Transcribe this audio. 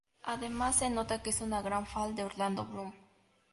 Además se nota que es una gran fan de Orlando Bloom.